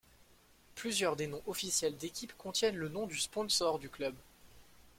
Plusieurs des noms officiels d'équipes contiennent le nom du sponsor du club.